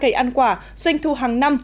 cây ăn quả doanh thu hàng năm